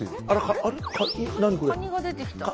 カニが出てきた。